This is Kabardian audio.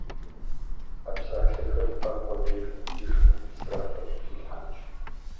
А псалъэхэр Пакъуэ деж нэсыжмэ, ӏисрафыр къытхилъхьэнщ.